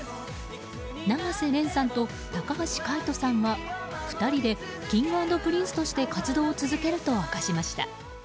永瀬廉さんと高橋海人さんは２人でＫｉｎｇ＆Ｐｒｉｎｃｅとして活動を続けると明かしました。